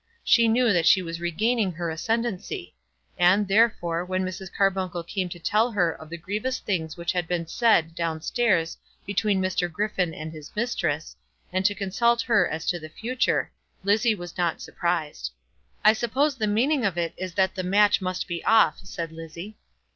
She knew that she was regaining her ascendancy; and, therefore, when Mrs. Carbuncle came to tell her of the grievous things which had been said down stairs between Sir Griffin and his mistress, and to consult her as to the future, Lizzie was not surprised. "I suppose the meaning of it is that the match must be off," said Lizzie.